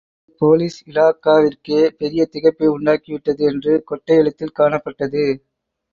அது போலீஸ் இலாகாவிற்கே பெரிய திகைப்பை உண்டாக்கிவிட்டது என்று கொட்டை எழுத்தில் காணப்பட்டது.